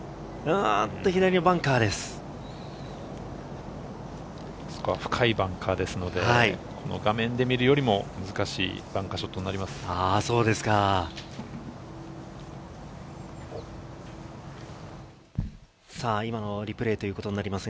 あそこは深いバンカーですので、画面で見るよりも難しいバンカーショットになります。